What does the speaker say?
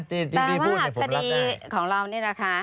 จริงพูดเนี่ยผมรับได้แต่ว่าคดีของเรานี่แหละคะ